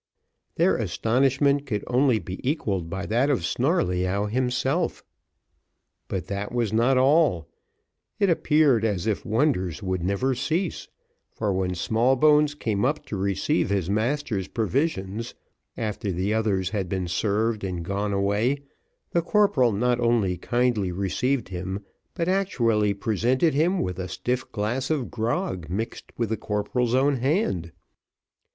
Their astonishment could only be equalled by that of Snarleyyow himself. But that was not all; it appeared as if wonders would never cease, for when Smallbones came up to receive his master's provisions, after the others had been served and gone away, the corporal not only kindly received him, but actually presented him with a stiff glass of grog mixed with the corporal's own hand.